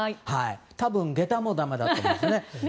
多分、下駄もだめだと思いますね。